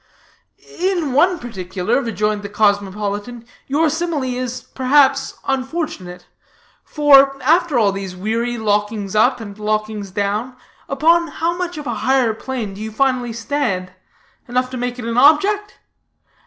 "In one particular," rejoined the cosmopolitan, "your simile is, perhaps, unfortunate. For, after all these weary lockings up and lockings down, upon how much of a higher plain do you finally stand? Enough to make it an object?